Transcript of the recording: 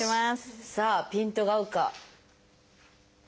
さあピントが合うか？